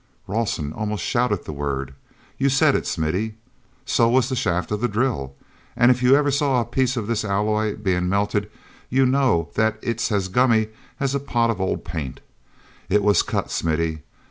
Rawson almost shouted the word. "You said it, Smithy. So was the shaft of the drill. And if you ever saw a piece of this alloy being melted you know that it's as gummy as a pot of old paint. It was cut, Smithy!